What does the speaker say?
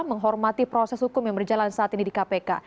menghormati proses hukum yang berjalan saat ini di kpk